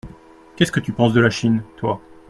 Qu’est-ce que tu penses de la Chine, toi ?